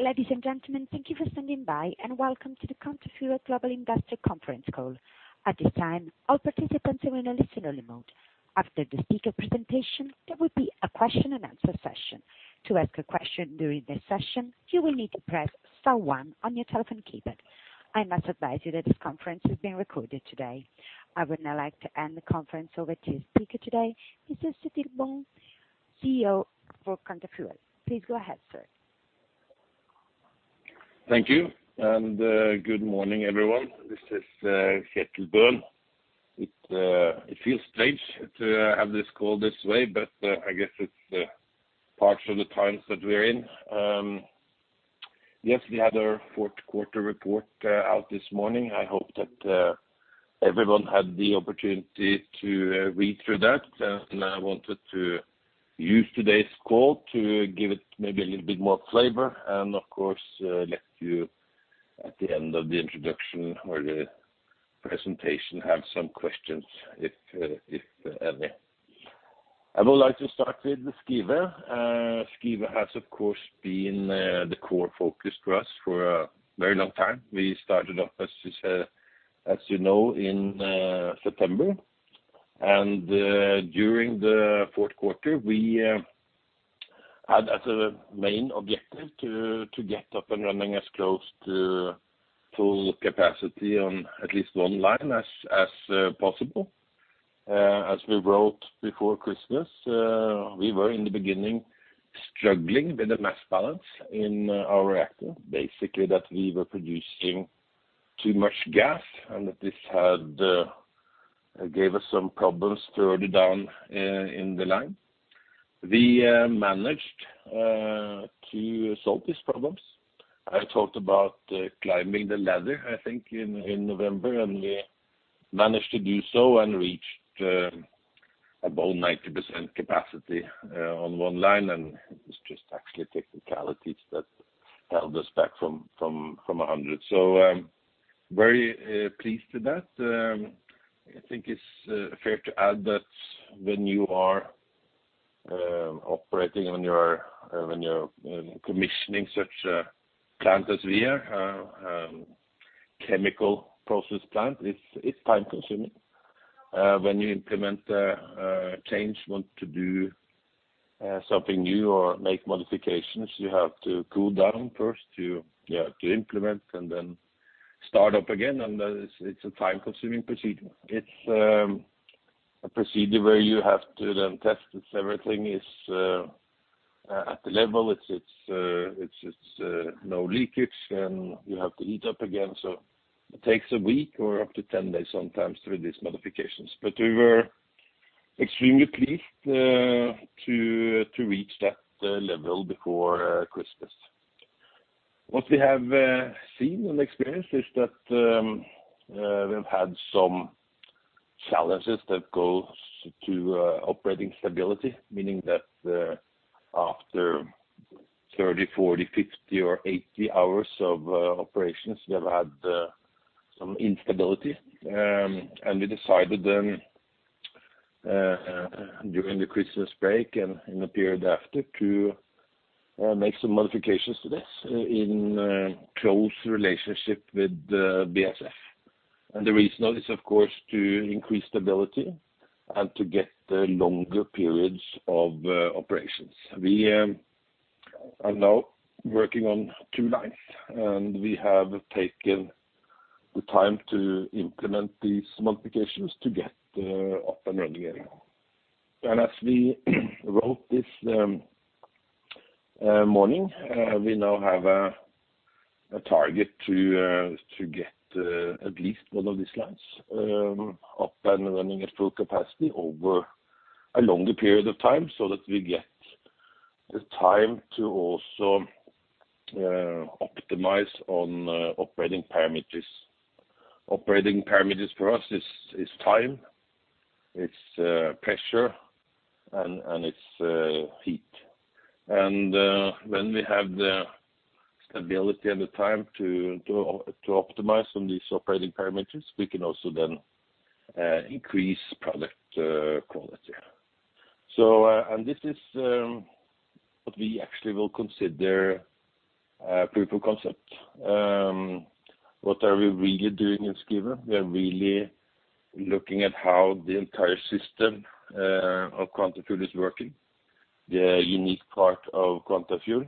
Ladies and gentlemen, thank you for standing by, and welcome to the Quantafuel Global Investor Conference call. I would now like to hand the conference over to the speaker today, Mr. Kjetil Bøhn, CEO for Quantafuel. Please go ahead, sir. Thank you. Good morning, everyone. This is Kjetil Bøhn. It feels strange to have this call this way, but I guess it's part of the times that we're in. We had our fourth quarter report out this morning. I hope that everyone had the opportunity to read through that. I wanted to use today's call to give it maybe a little bit more flavor and of course, let you at the end of the introduction or the presentation, have some questions, if any. I would like to start with the Skive. Skive has, of course, been the core focus for us for a very long time. We started off, as you know, in September. During the fourth quarter, we had as a main objective to get up and running as close to full capacity on at least one line as possible. As we wrote before Christmas, we were in the beginning, struggling with the mass balance in our reactor, basically that we were producing too much gas and that this gave us some problems further down in the line. We managed to solve these problems. I talked about climbing the ladder, I think, in November, and we managed to do so and reached about 90% capacity on one line. It was just actually technicalities that held us back from 100%. Very pleased with that. I think it's fair to add that when you are operating or when you're commissioning such a plant as we are, chemical process plant, it's time-consuming. When you implement a change, want to do something new or make modifications, you have to cool down first to implement and then start up again, and it's a time-consuming procedure. It's a procedure where you have to then test if everything is at the level, it's no leakage, and you have to heat up again. It takes a week or up to 10 days sometimes to do these modifications. We were extremely pleased to reach that level before Christmas. What we have seen and experienced is that we've had some challenges that goes to operating stability, meaning that after 30, 40, 50, or 80 hours of operations, we have had some instability. We decided then, during the Christmas break and in the period after, to make some modifications to this in close relationship with BASF. The reason is, of course, to increase stability and to get longer periods of operations. We are now working on two lines, and we have taken the time to implement these modifications to get up and running again. As we wrote this morning, we now have a target to get at least one of these lines up and running at full capacity over a longer period of time so that we get the time to also optimize on operating parameters. Operating parameters for us is time, it's pressure, and it's heat. When we have the stability and the time to optimize on these operating parameters, we can also then increase product quality. This is what we actually will consider a proof of concept. What are we really doing in Skive? We are really looking at how the entire system of Quantafuel is working, the unique part of Quantafuel.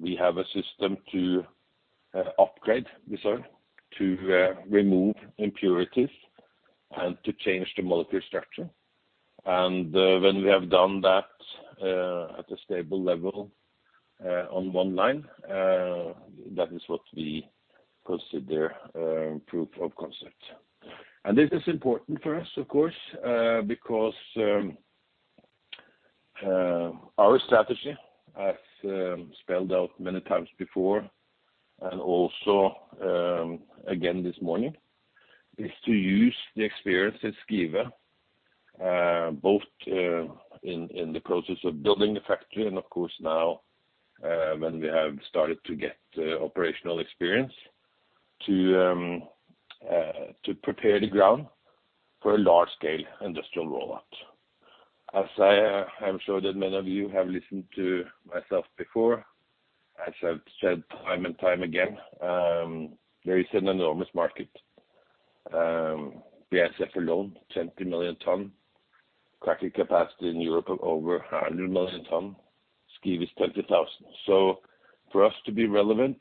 We have a system to upgrade the oil, to remove impurities, and to change the molecular structure. When we have done that at a stable level on one line, that is what we consider proof of concept. This is important for us, of course, because our strategy, as spelled out many times before, and also again this morning, is to use the experience at Skive both in the process of building the factory and of course, now, when we have started to get operational experience to prepare the ground for a large-scale industrial rollout. As I am sure that many of you have listened to myself before, as I've said time and time again, there is an enormous market. BASF alone, 20 million tons, cracking capacity in Europe of over 100 million tons. Skive is 20,000 ton. For us to be relevant,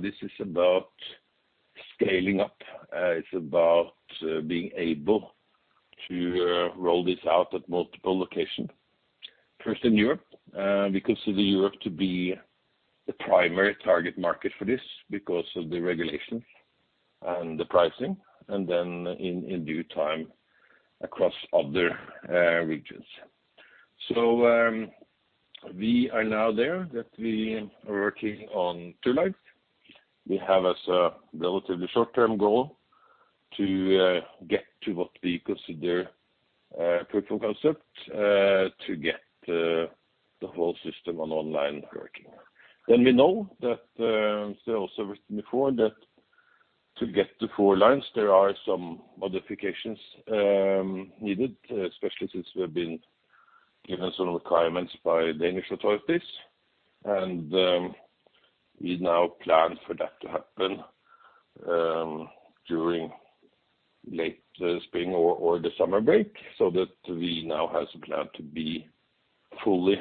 this is about scaling up. It's about being able to roll this out at multiple locations. First in Europe, we consider Europe to be the primary target market for this because of the regulations and the pricing, and then in due time, across other regions. We are now there that we are working on two lines. We have as a relatively short-term goal to get to what we consider a proof of concept, to get the whole system on online working. We know that, as I also written before, that to get to four lines, there are some modifications needed, especially since we've been given some requirements by Danish authorities. We now plan for that to happen during late spring or the summer break so that we now have some plan to be fully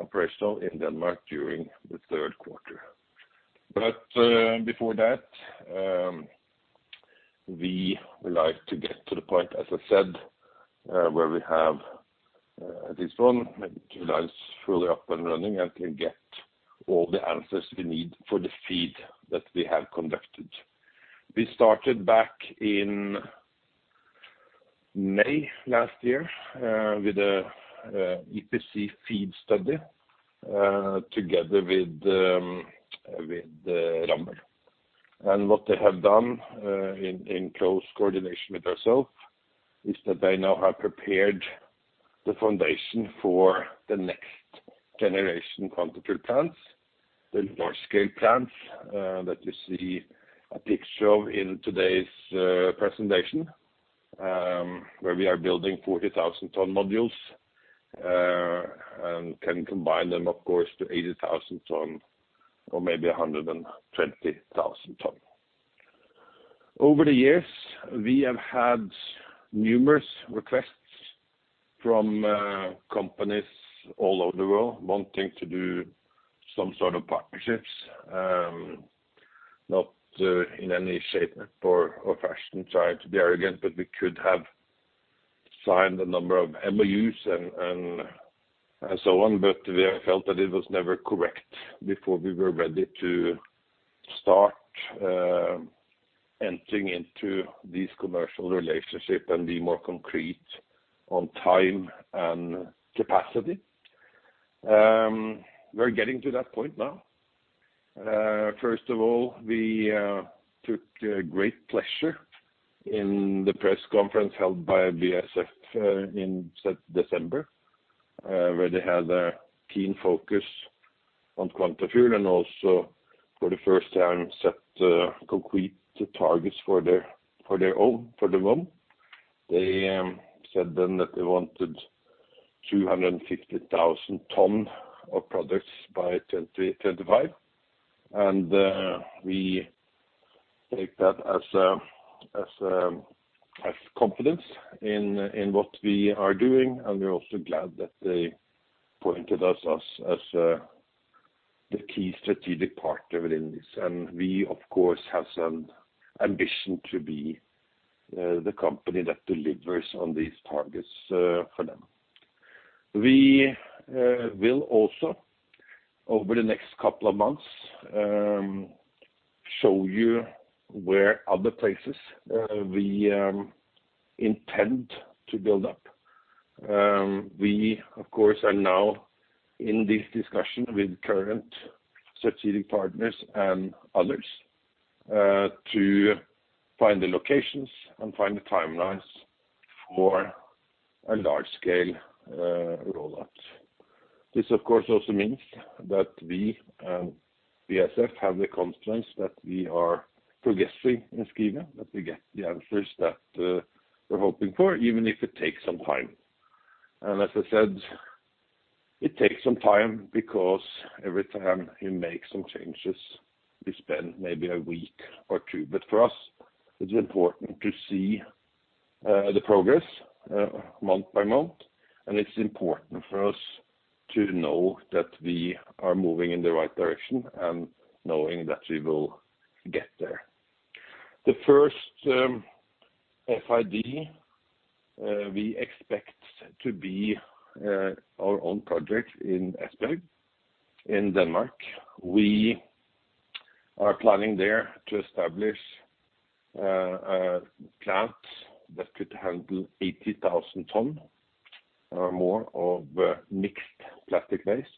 operational in Denmark during the third quarter. Before that, we would like to get to the point, as I said, where we have at least one, maybe two lines fully up and running and can get all the answers we need for the FEED that we have conducted. We started back in May last year, with a EPC FEED study, together with Rambøll. What they have done, in close coordination with ourselves, is that they now have prepared the foundation for the next generation Quantafuel plants, the large-scale plants, that you see a picture of in today's presentation, where we are building 40,000 ton modules, and can combine them, of course, to 80,000 ton or maybe 120,000 ton. Over the years, we have had numerous requests from companies all over the world wanting to do some sort of partnerships, not in any shape or fashion trying to be arrogant. We could have signed a number of MOUs and so on. We felt that it was never correct before we were ready to start entering into these commercial relationships and be more concrete on time and capacity. We're getting to that point now. First of all, we took great pleasure in the press conference held by BASF in December, where they had a keen focus on Quantafuel and also for the first time set concrete targets for the MOU. They said then that they wanted 250,000 ton of products by 2025 and we take that as confidence in what we are doing and we are also glad that they pointed us as the key strategic partner within this. We of course, have some ambition to be the company that delivers on these targets for them. We will also over the next couple of months, show you where other places we intend to build up. We of course, are now in this discussion with current strategic partners and others, to find the locations and find the timelines for a large scale rollout. This of course, also means that we and BASF have the confidence that we are progressing in Skive, that we get the answers that we're hoping for, even if it takes some time. As I said, it takes some time because every time you make some changes, we spend maybe a week or two. For us, it's important to see the progress month by month, and it's important for us to know that we are moving in the right direction and knowing that we will get there. The first FID, we expect to be our own project in Esbjerg in Denmark. We are planning there to establish a plant that could handle 80,000 ton or more of mixed plastic waste.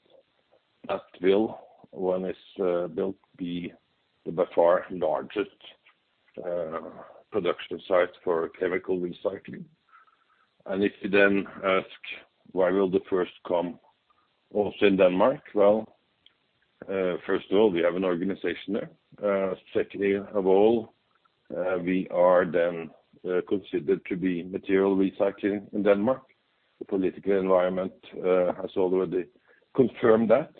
That will, when it's built, be the by far largest production site for chemical recycling. If you then ask, why will the first come also in Denmark? First of all, we have an organization there. Secondly of all, we are then considered to be material recycling in Denmark. The political environment has already confirmed that,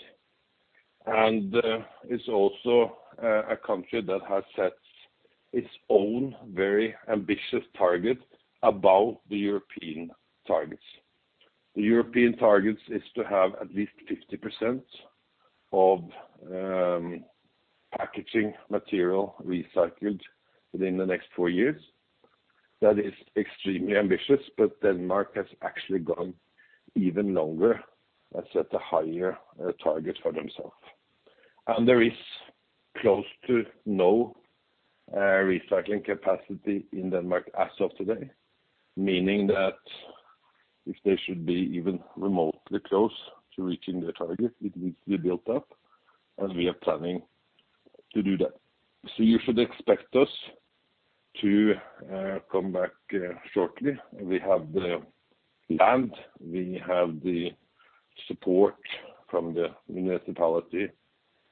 it's also a country that has set its own very ambitious target above the European targets. The European target is to have at least 50% of packaging material recycled within the next four years. That is extremely ambitious, Denmark has actually gone even longer and set a higher target for themselves. There is close to no recycling capacity in Denmark as of today, meaning that if they should be even remotely close to reaching their target, it needs to be built up, we are planning to do that. You should expect us to come back shortly. We have the land, we have the support from the municipality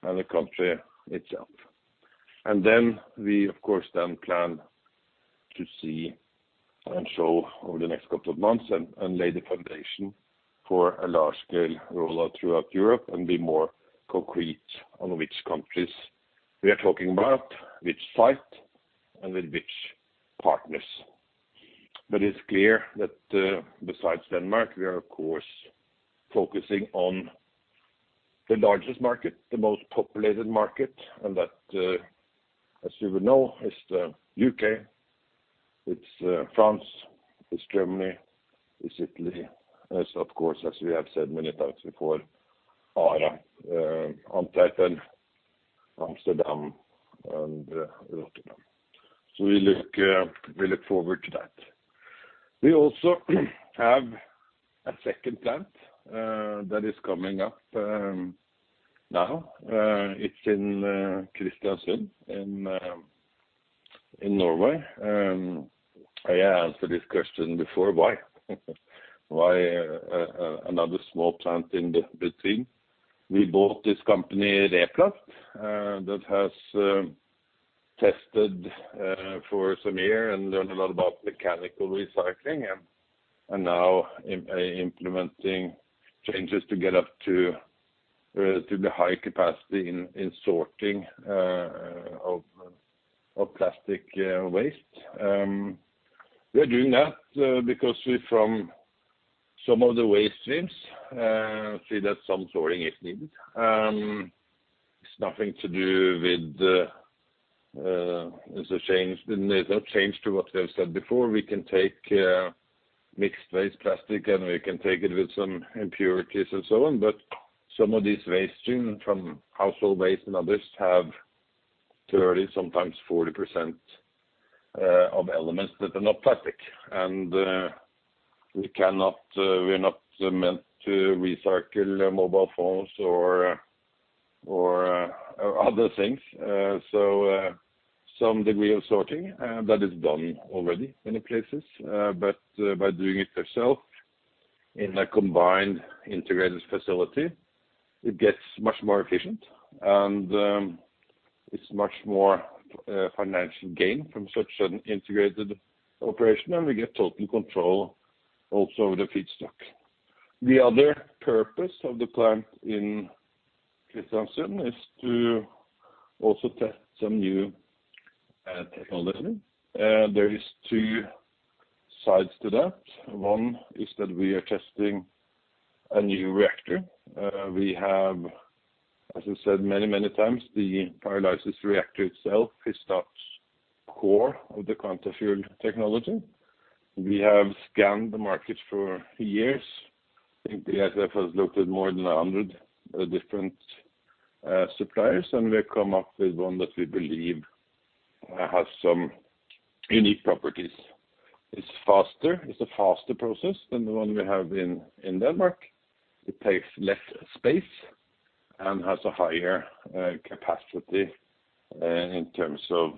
and the country itself. We, of course then plan to see and show over the next couple of months and lay the foundation for a large-scale rollout throughout Europe and be more concrete on which countries we are talking about, which site and with which partners. It's clear that besides Denmark, we are of course focusing on the largest market, the most populated market, and that, as you would know, is the U.K., it's France, it's Germany, it's Italy, and it's of course, as we have said many times before, ARA, Antwerp, Amsterdam and Rotterdam. We look forward to that. We also have a second plant that is coming up now. It's in Kristiansund in Norway. I answered this question before. Why? Why another small plant in between? We bought this company, Replast, that has tested for some year and learned a lot about mechanical recycling and now implementing changes to get up to the high capacity in sorting of plastic waste. We are doing that because from some of the waste streams, see that some sorting is needed. It's a change to what we have said before. We can take mixed waste plastic, and we can take it with some impurities and so on, but some of these waste streams from household waste and others have 30%, sometimes 40% of elements that are not plastic, and we're not meant to recycle mobile phones or other things. Some degree of sorting that is done already in places but by doing it themselves in a combined integrated facility, it gets much more efficient and it is much more financial gain from such an integrated operation, and we get total control also of the feedstock. The other purpose of the plant in Kristiansund is to also test some new technology. There is two sides to that. One is that we are testing a new reactor. We have, as I said many times, the pyrolysis reactor itself is that core of the Quantafuel technology. We have scanned the market for years. I think the ISF has looked at more than 100 different suppliers, and we have come up with one that we believe has some unique properties. It is a faster process than the one we have in Denmark. It takes less space and has a higher capacity in terms of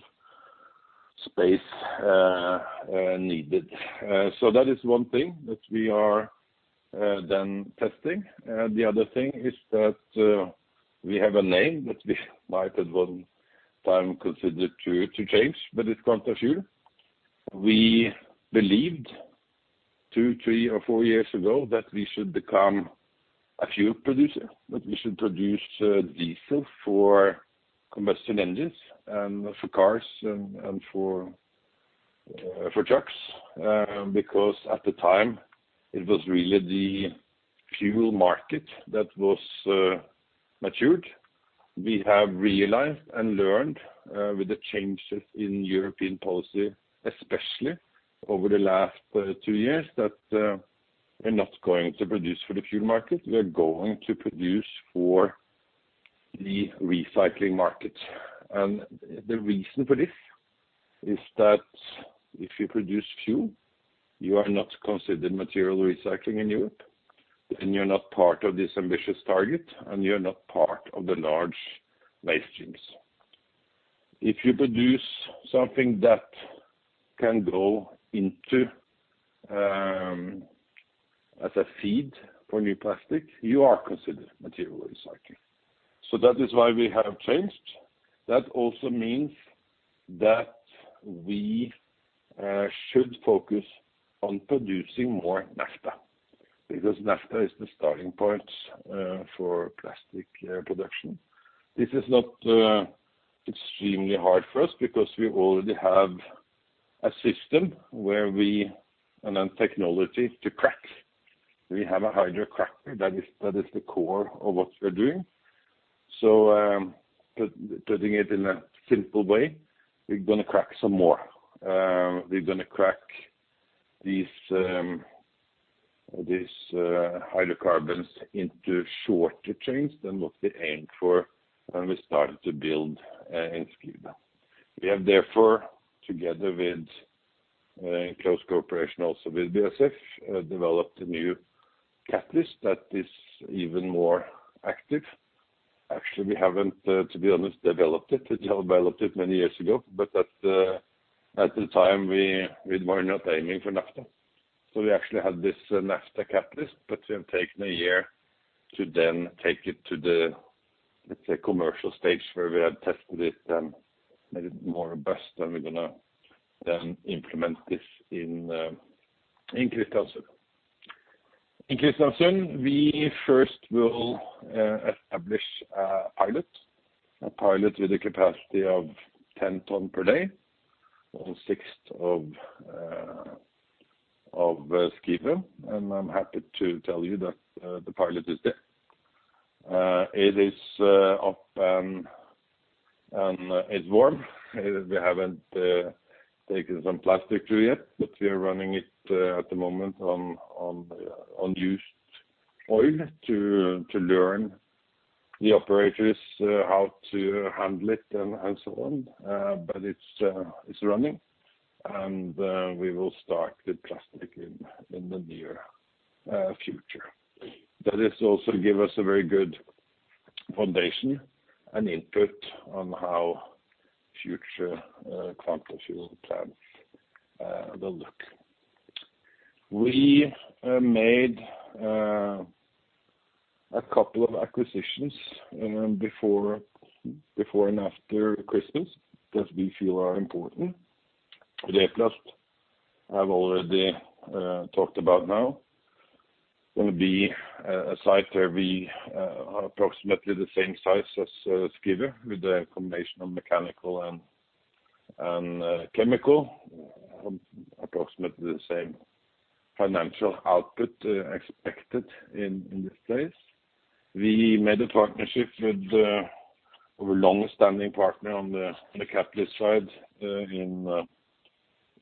space needed. That is one thing that we are then testing. The other thing is that we have a name that we might at one time consider to change, but it's Quantafuel. We believed two, three, or four years ago that we should become a fuel producer, that we should produce diesel for combustion engines and for cars and for trucks because, at the time, it was really the fuel market that was matured. We have realized and learned with the changes in European policy, especially over the last two years, that we're not going to produce for the fuel market. We're going to produce for the recycling market. The reason for this is that if you produce fuel, you are not considered material recycling in Europe, you're not part of this ambitious target, and you're not part of the large waste streams. If you produce something that can go into as a feed for new plastic, you are considered material recycling. That is why we have changed. That also means that we should focus on producing more naphtha, because naphtha is the starting point for plastic production. This is not extremely hard for us because we already have a system and technology to crack. We have a hydrocracker. That is the core of what we're doing. Putting it in a simple way, we're going to crack some more. We're going to crack these hydrocarbons into shorter chains than what we aimed for when we started to build in Skive. We have therefore, together with close cooperation also with BASF, developed a new catalyst that is even more active. Actually, we haven't, to be honest, developed it. They developed it many years ago, at the time, we were not aiming for naphtha, we actually had this naphtha catalyst, we have taken a year to then take it to the, let's say, commercial stage where we have tested it and made it more robust, we're going to then implement this in Kristiansund. In Kristiansund, we first will establish a pilot with a capacity of 10 tons per day, or 1/6 of Skive, I'm happy to tell you that the pilot is there. It is up and it's warm. We haven't taken some plastic to yet, we are running it at the moment on used oil to learn the operators how to handle it and so on. It's running, we will start the plastic in the near future. That has also give us a very good foundation and input on how future Quantafuel plants will look. We made a couple of acquisitions before and after Christmas that we feel are important. Replast, I've already talked about now, going to be a site that will be approximately the same size as Skive, with a combination of mechanical and chemical, approximately the same financial output expected in this phase. We made a partnership with our longstanding partner on the catalyst side in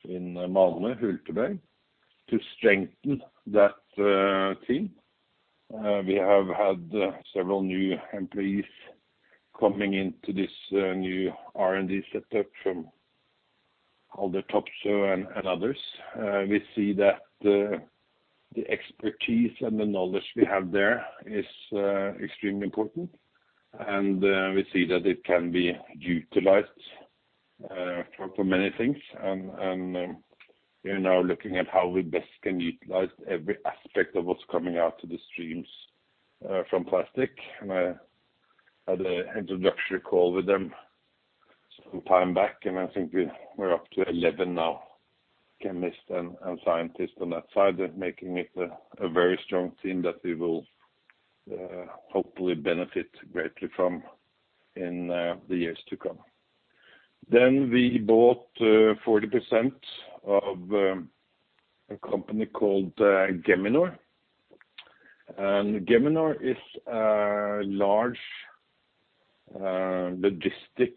Malmö, Hulteberg, to strengthen that team. We have had several new employees coming into this new R&D setup from Haldor Topsoe and others. We see that the expertise and the knowledge we have there is extremely important. We see that it can be utilized for many things. We are now looking at how we best can utilize every aspect of what's coming out to the streams from plastic. I had an introductory call with them some time back. I think we're up to 11 now, chemists and scientists on that side, making it a very strong team that we will hopefully benefit greatly from in the years to come. We bought 40% of a company called Geminor. Geminor is a large logistic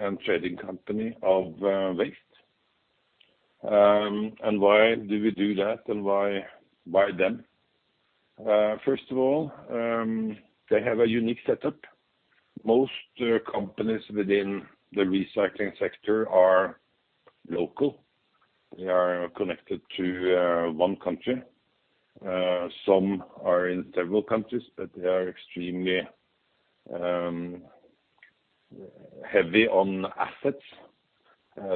and trading company of waste. Why do we do that, and why them? First of all, they have a unique setup. Most companies within the recycling sector are local. They are connected to one country. Some are in several countries, but they are extremely heavy on assets.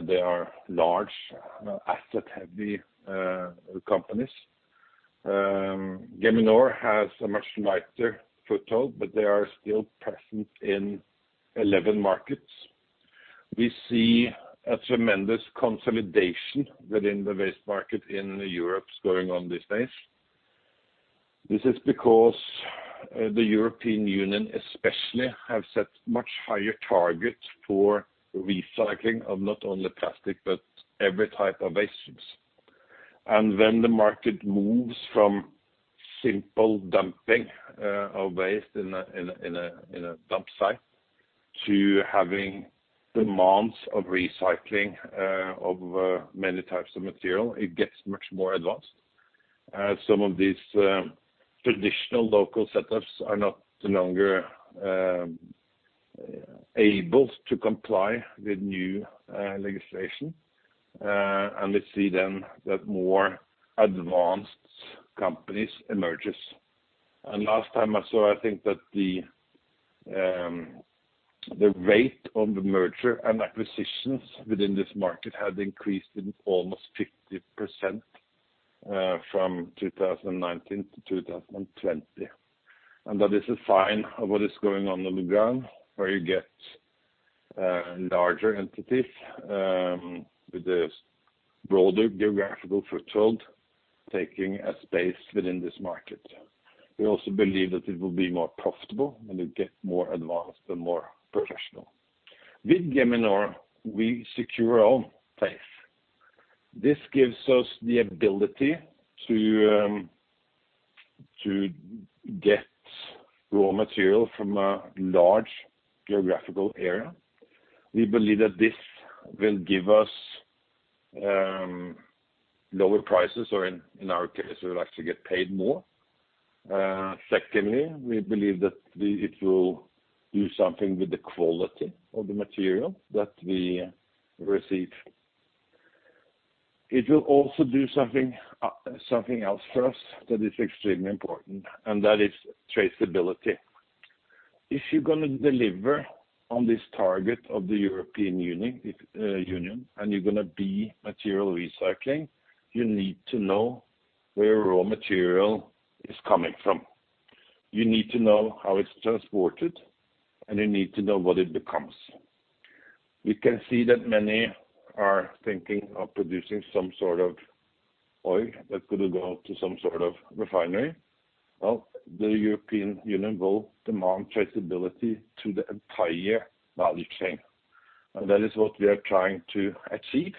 They are large asset-heavy companies. Geminor has a much lighter foothold, but they are still present in 11 markets. We see a tremendous consolidation within the waste market in Europe going on these days. This is because the European Union especially have set much higher targets for recycling of not only plastic, but every type of waste. When the market moves from simple dumping of waste in a dump site to having demands of recycling of many types of material, it gets much more advanced. Some of these traditional local setups are no longer able to comply with new legislation. We see then that more advanced companies emerge. Last time I saw, I think that the rate of the merger and acquisitions within this market had increased in almost 50% from 2019 to 2020. That this is a sign of what is going on the ground, where you get larger entities with a broader geographical foothold taking a space within this market. We also believe that it will be more profitable and it get more advanced and more professional. With Geminor, we secure our own place. This gives us the ability to get raw material from a large geographical area. We believe that this will give us lower prices or in our case, we'll actually get paid more. Secondly, we believe that it will do something with the quality of the material that we receive. It will also do something else for us that is extremely important, and that is traceability. If you're going to deliver on this target of the European Union, and you're going to be material recycling, you need to know where raw material is coming from. You need to know how it's transported, and you need to know what it becomes. We can see that many are thinking of producing some sort of oil that could go to some sort of refinery. Well, the European Union will demand traceability to the entire value chain. That is what we are trying to achieve.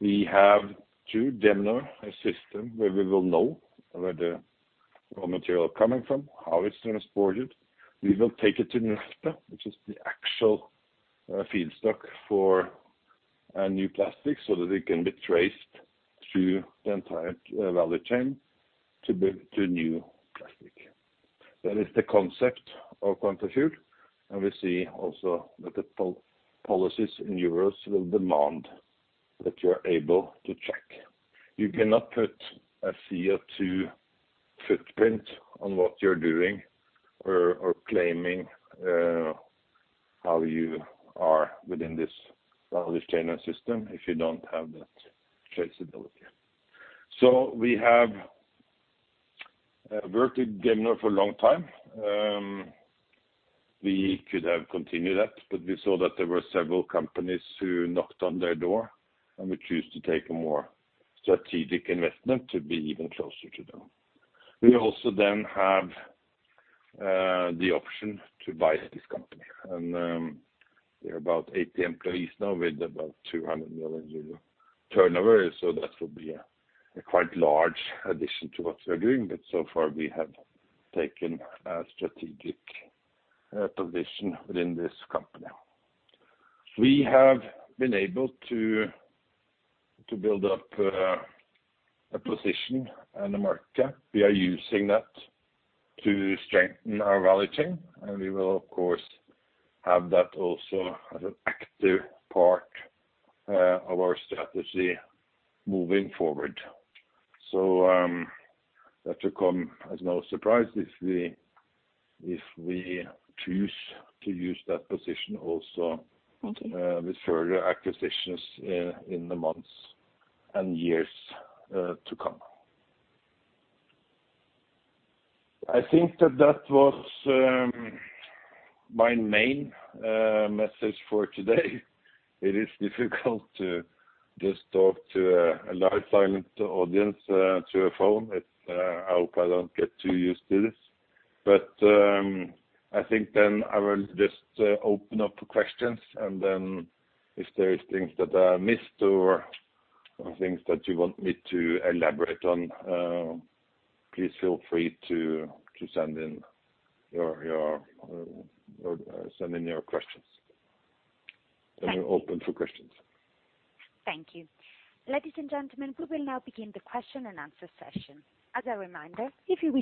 We have, through Geminor, a system where we will know where the raw material coming from, how it's transported. We will take it to naphtha, which is the actual feedstock for a new plastic so that it can be traced through the entire value chain to build the new plastic. That is the concept of Quantafuel, and we see also that the policies in Europe will demand that you're able to check. You cannot put a CO2 footprint on what you're doing or claiming how you are within this value chain and system if you don't have that traceability. We have worked with Geminor for a long time. We could have continued that, but we saw that there were several companies who knocked on their door, and we chose to take a more strategic investment to be even closer to them. We also then have the option to buy this company. They're about 80 employees now with about 200 million euro turnover, so that will be a quite large addition to what we are doing. So far, we have taken a strategic position within this company. We have been able to build up a position in the market. We are using that to strengthen our value chain, and we will, of course, have that also as an active part of our strategy moving forward. That will come as no surprise if we choose to use that position also with further acquisitions in the months and years to come. I think that was my main message for today. It is difficult to just talk to a large silent audience through a phone. I hope I don't get too used to this. I think then I will just open up for questions, and then if there is things that I missed or things that you want me to elaborate on, please feel free to send in your questions. Thank you. We're open for questions. Thank you. Ladies and gentlemen, we will now begin the question-and-answer session. Thank you.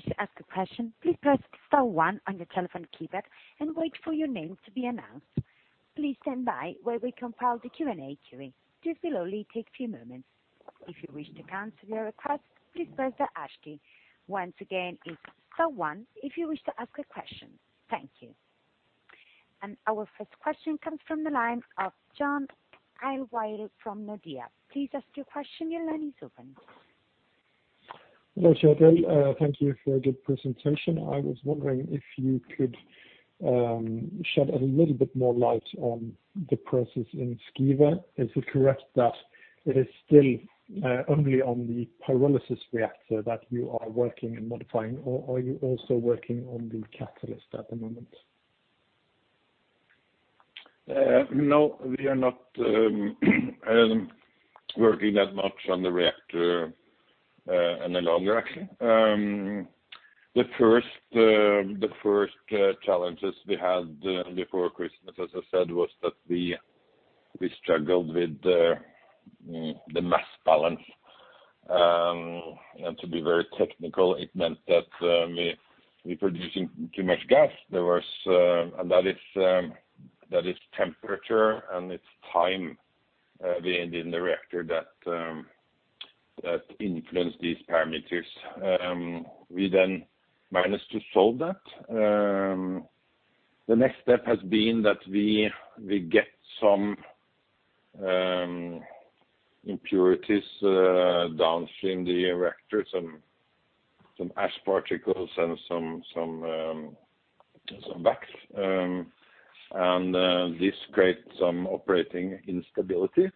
Our first question comes from the line of Jon Hille-Walle from Nordea. Please ask your question. Hello, Kjetil. Thank you for a good presentation. I was wondering if you could shed a little bit more light on the process in Skive. Is it correct that it is still only on the pyrolysis reactor that you are working and modifying, or are you also working on the catalyst at the moment? No, we are not working that much on the reactor any longer, actually. The first challenges we had before Christmas, as I said, was that we struggled with the mass balance. To be very technical, it meant that we're producing too much gas. That is temperature and it's time in the reactor that influence these parameters. We then managed to solve that. The next step has been that we get some impurities downstream the reactors and some ash particles and some back. This creates some operating instability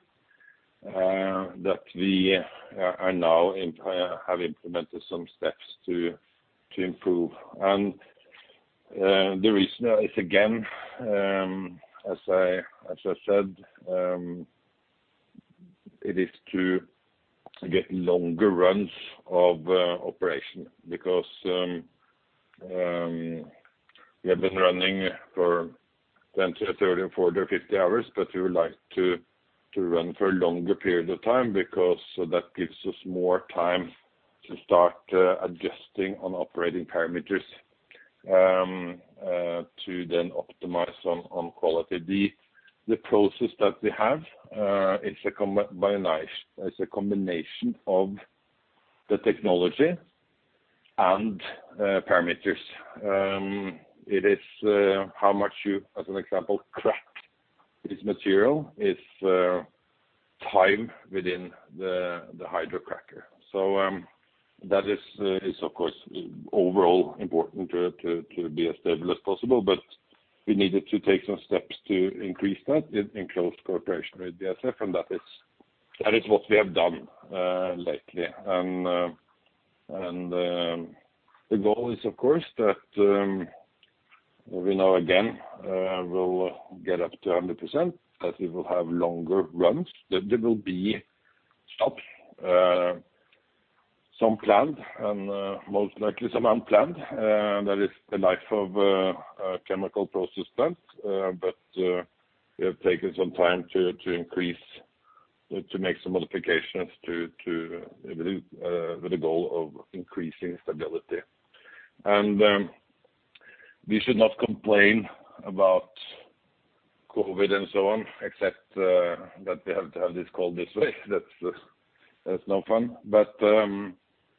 that we have now implemented some steps to improve. The reason is, again, as I said, it is to get longer runs of operation because we have been running for 20, 30, 40, 50 hours, but we would like to run for a longer period of time because that gives us more time to start adjusting on operating parameters to then optimize on quality. The process that we have, it's a combination of the technology and parameters. It is how much you, as an example, crack this material. It's time within the hydrocracker. That is, of course, overall important to be as stable as possible. We needed to take some steps to increase that in close cooperation with BASF, and that is what we have done lately. The goal is, of course, that we now again will get up to 100%, that we will have longer runs. There will be stops, some planned, and most likely some unplanned. That is the life of a chemical process plant. We have taken some time to make some modifications with the goal of increasing stability. We should not complain about COVID and so on, except that we have to have this call this way. That's no fun.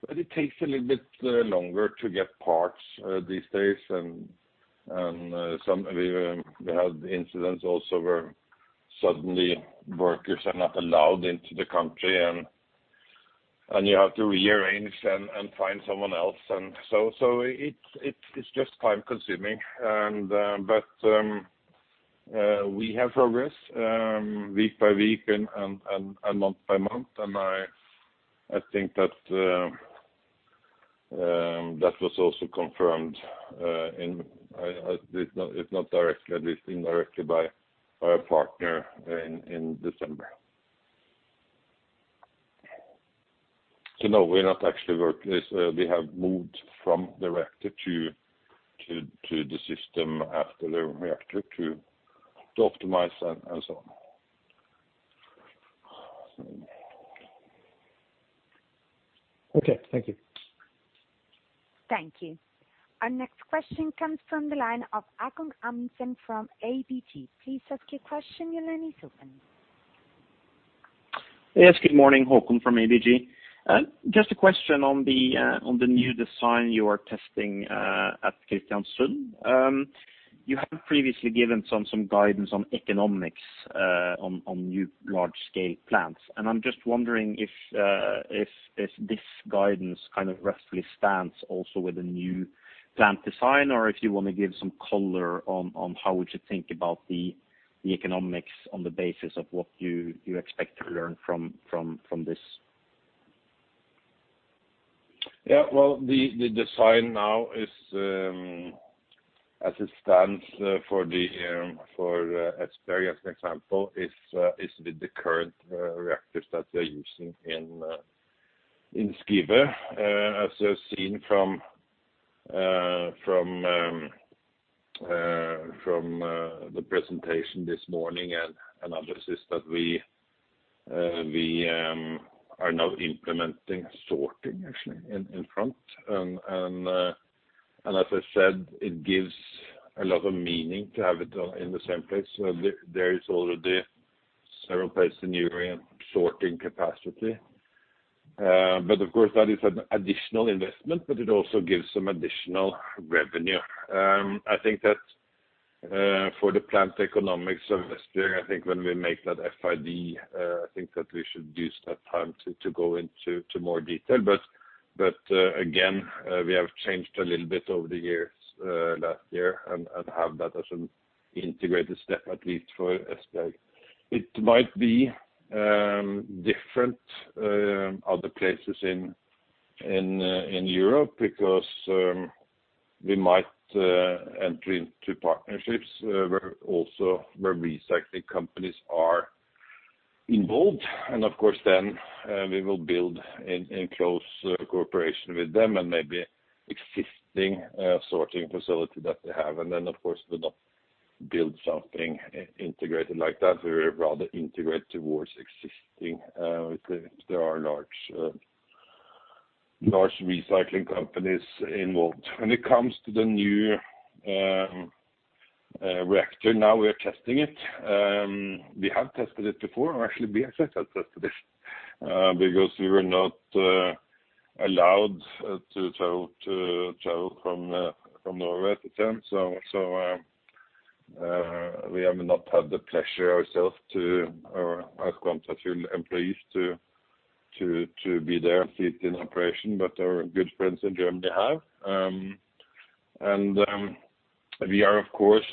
It takes a little bit longer to get parts these days, and we had incidents also where suddenly workers are not allowed into the country, and you have to rearrange and find someone else, it's just time-consuming. We have progress week by week and month by month. I think that was also confirmed, if not directly, at least indirectly, by our partner in December. No, we have moved from the reactor to the system after the reactor to optimize that and so on. Okay. Thank you. Thank you. Our next question comes from the line of Haakon Amundsen from ABG. Please ask your question. Your line is open. Yes, good morning, Haakon from ABG. Just a question on the new design you are testing at Kristiansund. You have previously given some guidance on economics on new large-scale plants. I'm just wondering if this guidance kind of roughly stands also with the new plant design or if you want to give some color on how would you think about the economics on the basis of what you expect to learn from this. Yeah. Well, the design now is as it stands for Esbjerg, as an example, is with the current reactors that they're using in Skive, as you have seen from the presentation this morning and others is that we are now implementing sorting, actually in front. As I said, it gives a lot of meaning to have it in the same place. There is already several places in Europe sorting capacity. Of course, that is an additional investment, but it also gives some additional revenue. I think that for the plant economics of Esbjerg, I think when we make that FID, I think that we should use that time to go into more detail. Again, we have changed a little bit over the years, last year, and have that as an integrated step, at least for Esbjerg. It might be different other places in Europe because we might enter into partnerships also where recycling companies are involved. Of course then we will build in close cooperation with them and maybe existing sorting facility that they have. Then, of course, we'll not build something integrated like that. We would rather integrate towards existing if there are large recycling companies involved. When it comes to the new reactor, now we're testing it. We have tested it before, or actually, BASF has tested it, because we were not allowed to travel from Norway at the time. We have not had the pleasure ourselves to, or as Quantafuel employees, to be there, see it in operation, but our good friends in Germany have. We are, of course,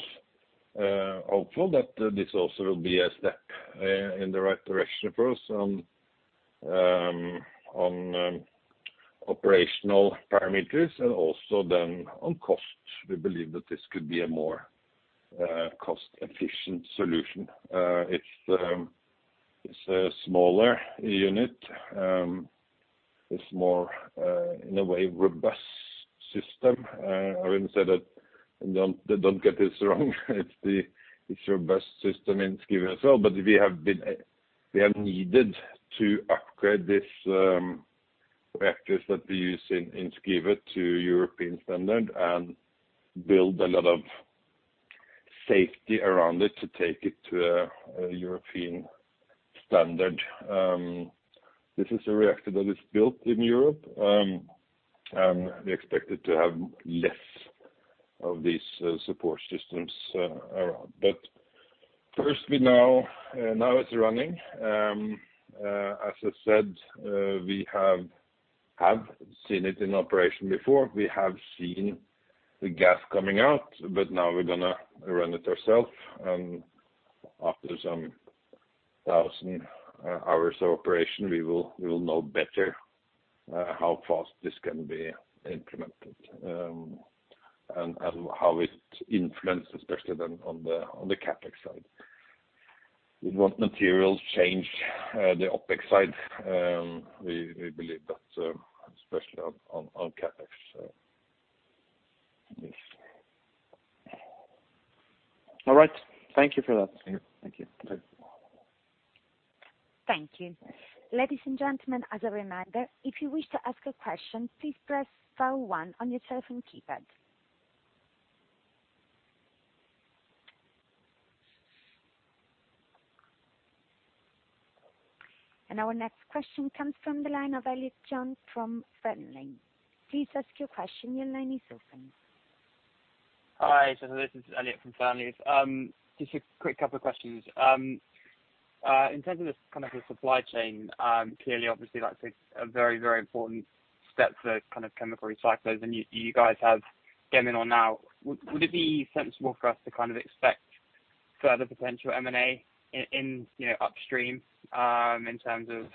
hopeful that this also will be a step in the right direction for us on operational parameters and also then on costs. We believe that this could be a more cost-efficient solution. It's a smaller unit. It's more, in a way, robust system. I wouldn't say that, and don't get this wrong, it's a robust system in Skive as well. We have needed to upgrade these reactors that we use in Skive to European standard and build a lot of safety around it to take it to a European standard. This is a reactor that is built in Europe, and we expect it to have less of these support systems around. First, now it's running. As I said, we have seen it in operation before. We have seen the gas coming out, but now we're going to run it ourselves, and after some 1,000 hours of operation, we will know better how fast this can be implemented and how it influences, especially then, on the CapEx side. We wont materially change the OpEx side. We believe that, especially on CapEx. Yes. All right. Thank you for that. Thank you. Thank you. Ladies and gentlemen, as a reminder, if you wish to ask a question, please press star one on your telephone keypad. Our next question comes from the line of Elliott Jones from Fearnley. Hi, this is Elliott from Fearnley. Just a quick couple of questions. In terms of the supply chain, clearly obviously that's a very important step for chemical recyclers, and you guys have Geminor now. Would it be sensible for us to expect further potential M&A in upstream, in terms of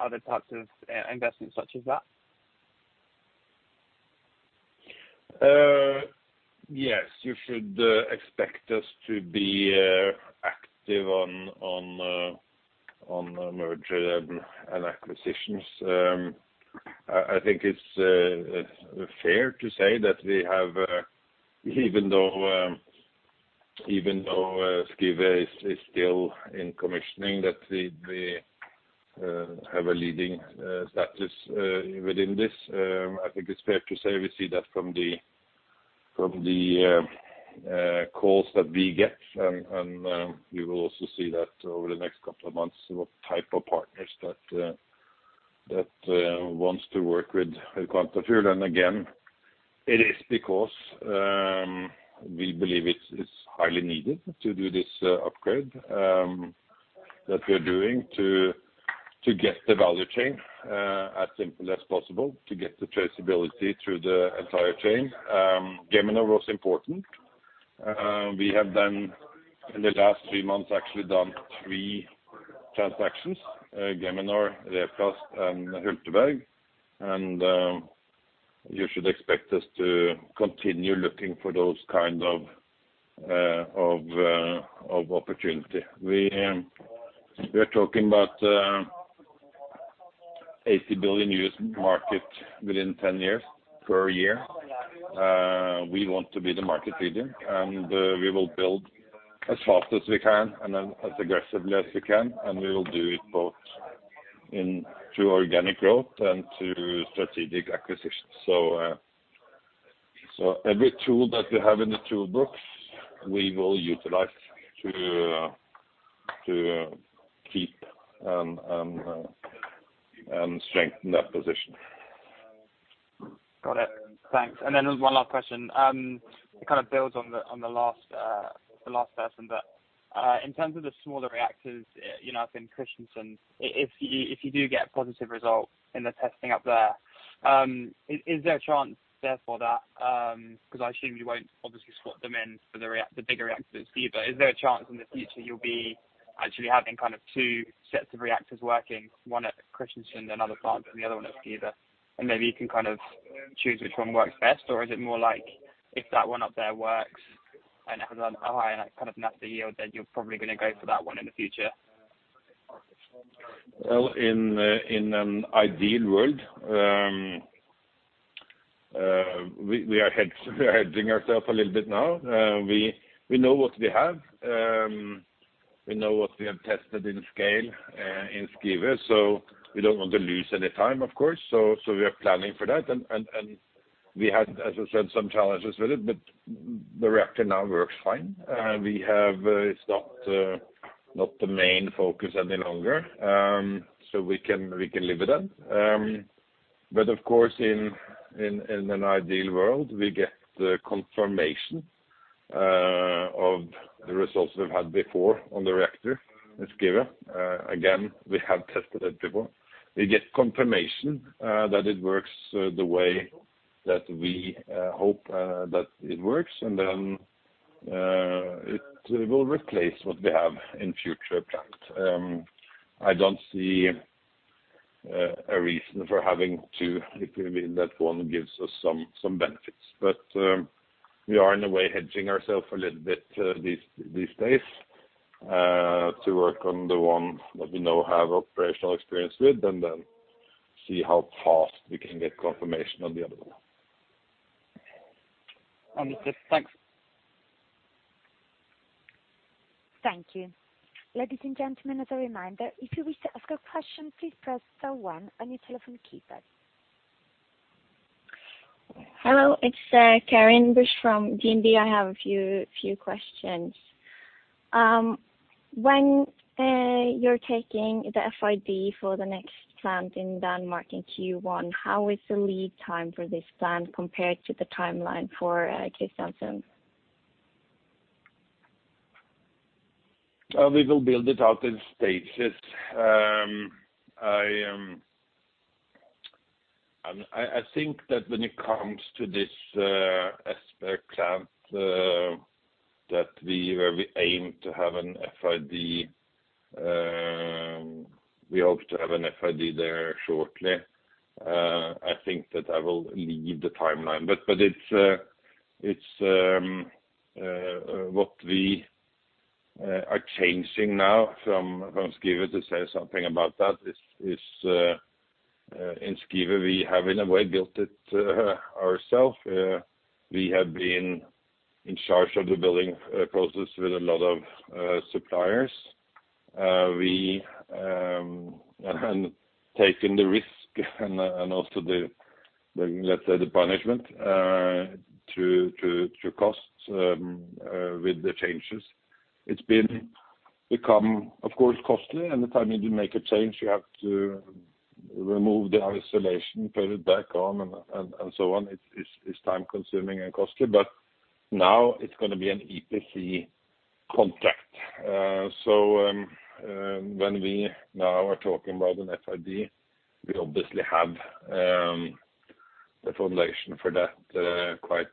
other types of investments such as that? Yes. You should expect us to be active on merger and acquisitions. I think it's fair to say that we have, even though Skive is still in commissioning, that we have a leading status within this. I think it's fair to say we see that from the calls that we get, and we will also see that over the next couple of months, what type of partners that wants to work with Quantafuel. Again, it is because we believe it's highly needed to do this upgrade that we're doing to get the value chain as simple as possible, to get the traceability through the entire chain. Geminor was important. We have then, in the last three months, actually done three transactions, Geminor, Replast, and Hulteberg. You should expect us to continue looking for those kind of opportunity. We are talking about 80 billion market within 10 years per year. We want to be the market leader. We will build as fast as we can and as aggressively as we can. We will do it both through organic growth and through strategic acquisitions. Every tool that we have in the toolbox, we will utilize to keep and strengthen that position. Got it. Thanks. Then there was one last question. It kind of builds on the last person, but in terms of the smaller reactors up in Kristiansund, if you do get a positive result in the testing up there, is there a chance there for that? I assume you won't obviously swap them in for the bigger reactors at Skive. Is there a chance in the future you'll be actually having two sets of reactors working, one at Kristiansund and another plant, and the other one at Skive? Maybe you can choose which one works best, or is it more like if that one up there works and has a higher kind of net yield, then you're probably going to go for that one in the future? Well, in an ideal world, we are hedging ourselves a little bit now. We know what we have. We know what we have tested in scale in Skive, so we don't want to lose any time, of course. We are planning for that, and we had, as I said, some challenges with it, but the reactor now works fine. It's not the main focus any longer, so we can live with that. Of course, in an ideal world, we get the confirmation of the results we've had before on the reactor in Skive. Again, we have tested it before. We get confirmation that it works the way that we hope that it works, and then it will replace what we have in future plant. I don't see a reason for having two if that one gives us some benefits. We are in a way hedging ourselves a little bit these days, to work on the one that we now have operational experience with and then see how fast we can get confirmation on the other one. Understood. Thanks. Thank you. Ladies and gentlemen, as a reminder, if you wish to ask a question, please press star one on your telephone keypad. Hello, it's Karin Busch from DNB. I have a few questions. When you're taking the FID for the next plant in Denmark in Q1, how is the lead time for this plant compared to the timeline for Kristiansund? We will build it out in stages. I think that when it comes to this Esbjerg plant, that we aim to have an FID, we hope to have an FID there shortly. I think that I will leave the timeline. It's what we are changing now from Skive, to say something about that, is in Skive, we have in a way built it ourselves. We have been in charge of the building process with a lot of suppliers. We have taken the risk and also the, let's say, the punishment through costs with the changes. It's become, of course, costly. Any time you make a change, you have to remove the isolation, put it back on, and so on. It's time-consuming and costly, but now it's going to be an EPC contract. When we now are talking about an FID, we obviously have the foundation for that quite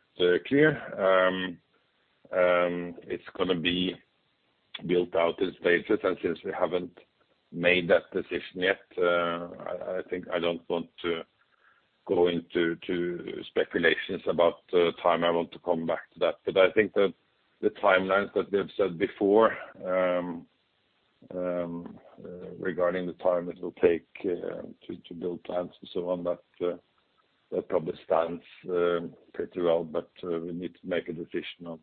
clear. It's going to be built out in stages, and since we haven't made that decision yet, I think I don't want to go into speculations about the time. I want to come back to that. I think that the timelines that we have said before regarding the time it will take to build plants and so on, that probably stands pretty well. We need to make a decision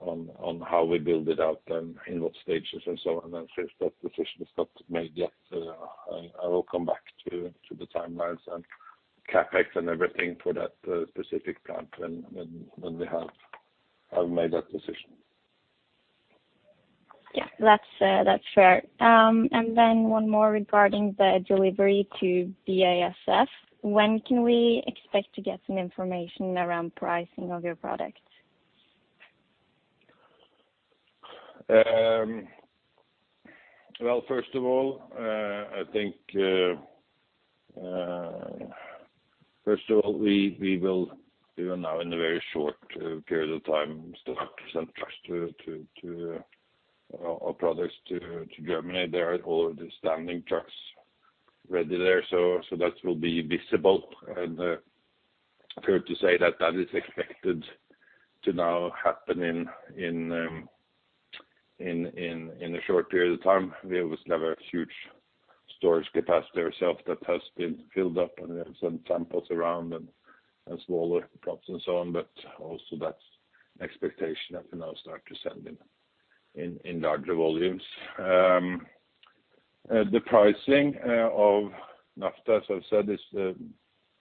on how we build it out and in what stages and so on. Since that decision is not made yet, I will come back to the timelines and CapEx and everything for that specific plant when we have made that decision. Yeah, that's fair. Then one more regarding the delivery to BASF. When can we expect to get some information around pricing of your product? First of all, we will now in a very short period of time start to send trucks to—our products to Germany. There are already standing trucks ready there, that will be visible, fair to say that that is expected to now happen in a short period of time. We always have a huge storage capacity ourself that has been filled up, we have some samples around and smaller [trucks] and so on, also that's an expectation that we now start to send in larger volumes. The pricing of naphtha, as I've said, is a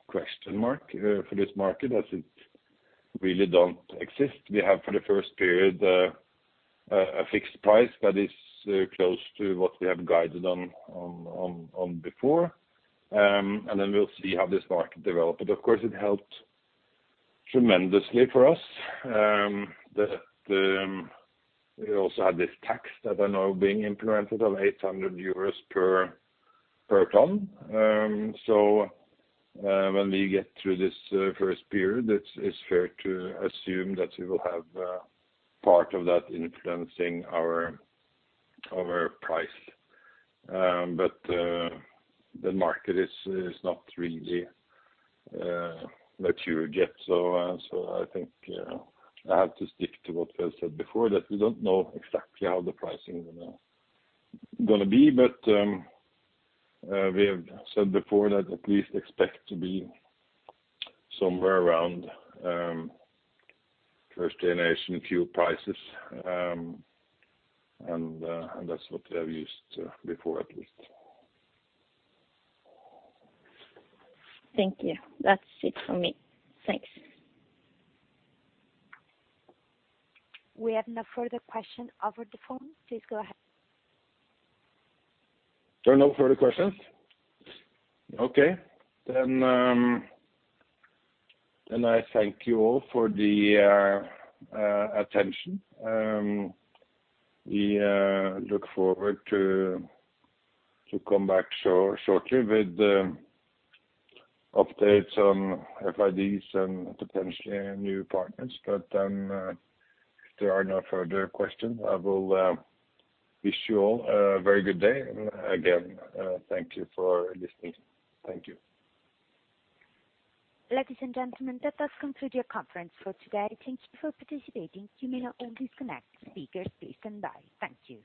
question mark for this market as it really don't exist. We have for the first period a fixed price that is close to what we have guided on before. Then we'll see how this market develop. Of course, it helped tremendously for us. We also had this tax that are now being implemented of 800 euros per ton. When we get through this first period, it's fair to assume that we will have part of that influencing our price. The market is not really mature yet. I think I have to stick to what I said before, that we don't know exactly how the pricing is going to be. We have said before that at least expect to be somewhere around first generation fuel prices. That's what we have used before, at least. Thank you. That's it from me. Thanks. We have no further question over the phone. Please go ahead. There are no further questions? Okay. I thank you all for the attention. We look forward to come back shortly with updates on FIDs and potentially new partners. If there are no further questions, I will wish you all a very good day. Again, thank you for listening. Thank you. Ladies and gentlemen, that does conclude your conference for today. Thank you for participating. You may now all disconnect. Thank you.